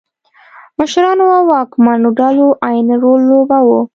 مشرانو او واکمنو ډلو عین رول لوباوه.